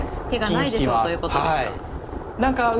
手がないでしょうということですか。